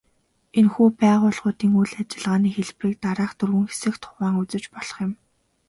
Энэхүү байгууллагуудын үйл ажиллагааны хэлбэрийг дараах дөрвөн хэсэгт хуваан үзэж болох юм.